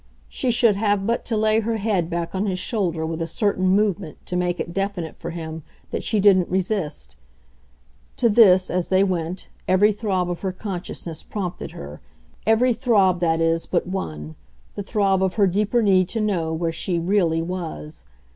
She should have but to lay her head back on his shoulder with a certain movement to make it definite for him that she didn't resist. To this, as they went, every throb of her consciousness prompted her every throb, that is, but one, the throb of her deeper need to know where she "really" was.